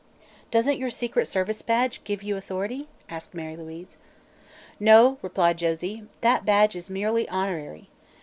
"Doesn't your secret service badge give you authority?" asked Mary Louise. "No," replied Josie; "that badge is merely honorary.